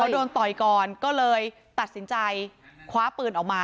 โดนต่อยก่อนก็เลยตัดสินใจคว้าปืนออกมา